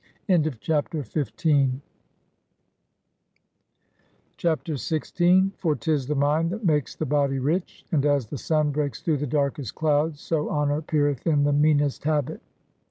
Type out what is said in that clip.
60 BIOGRAPHY OF CHAPTER XVI. " For 't is the mind that makes the body rich, And as the sun breaks through the darkest clouds, So honor peereth in the meanest habit."